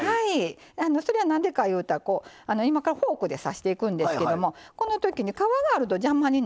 それはなんでかいうたら今からフォークで刺していくんですけどもこのときに皮があると邪魔になりますのでね